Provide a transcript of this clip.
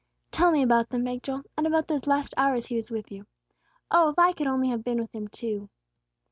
"Tell me about them," begged Joel, "and about those last hours He was with you. Oh, if I could only have been with Him, too!"